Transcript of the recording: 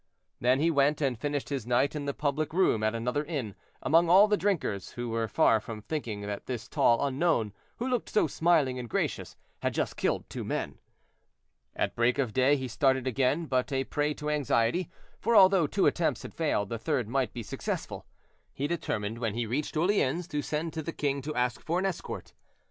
Then he went and finished his night in the public room at another inn, among all the drinkers, who were far from thinking that this tall unknown, who looked so smiling and gracious, had just killed two men. At break of day he started again, but a prey to anxiety, for although two attempts had failed, the third might be successful. He determined when he reached Orleans to send to the king to ask for an escort.